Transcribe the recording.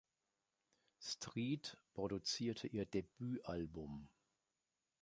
Street produzierte ihr Debütalbum.